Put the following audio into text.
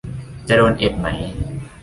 จะโดนเอ็ดไหม